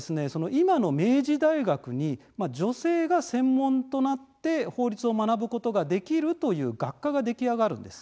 今の明治大学に女性が専門となって法律を学ぶことができるという学科が出来上がるんです。